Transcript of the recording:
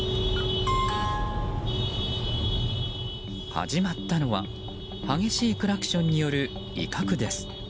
始まったのは激しいクラクションによる威嚇です。